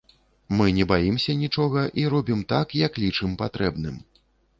Мы не баімся нічога і робім так, як лічым патрэбным.